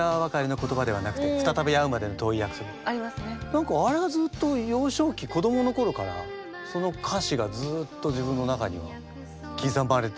何かあれがずっと幼少期子どもの頃からその歌詞がずっと自分の中には刻まれてて。